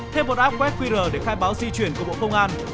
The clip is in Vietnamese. thêm một app web qr để khai báo di chuyển của bộ công an